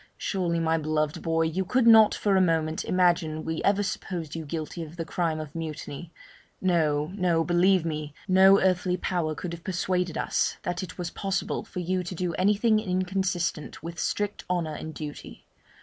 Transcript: Surely, my beloved boy, you could not for a moment imagine we ever supposed you guilty of the crime of mutiny. No, no; believe me, no earthly power could have persuaded us that it was possible for you to do anything inconsistent with strict honour and duty.